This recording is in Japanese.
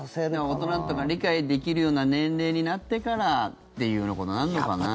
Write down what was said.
大人とか理解できるような年齢になってからっていうことになるのかな。